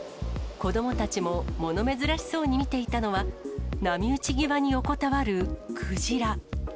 子どもたちももの珍しそうに見ていたのは、波打ち際に横たわるクジラ。